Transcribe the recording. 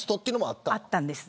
あったんです。